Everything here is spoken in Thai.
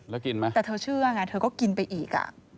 แล้วกินไหมแต่เธอเชื่อไงเธอก็กินไปอีก